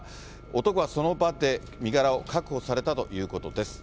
男はその場で身柄を確保されたということです。